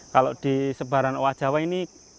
kalau di sebaran owa jawa ini